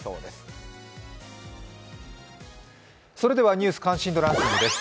「ニュース関心度ランキング」です。